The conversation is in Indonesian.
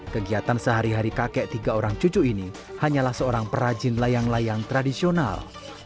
kegiatan sehari hari kakek tiga orang cucu ini hanyalah seorang perajin layang layang tradisional